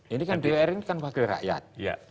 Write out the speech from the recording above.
ini kan dpr ini kan wakil rakyat